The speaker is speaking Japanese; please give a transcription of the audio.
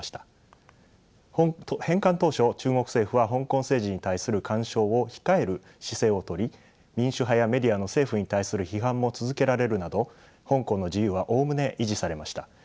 返還当初中国政府は香港政治に対する干渉を控える姿勢をとり民主派やメディアの政府に対する批判も続けられるなど香港の自由はおおむね維持されました。